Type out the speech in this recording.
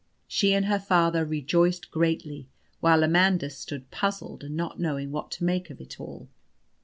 She and her father rejoiced greatly, while Amandus stood puzzled, and not knowing what to make of it all.